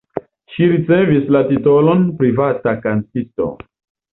Ŝi ricevis la titolon privata kantisto.